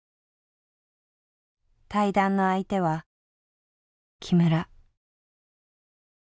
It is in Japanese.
対談の相手は木村。